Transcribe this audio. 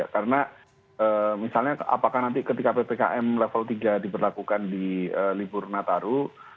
karena misalnya apakah nanti ketika ppkm level tiga diberlakukan di libur nataru